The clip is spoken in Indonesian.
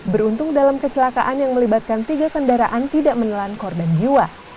beruntung dalam kecelakaan yang melibatkan tiga kendaraan tidak menelan korban jiwa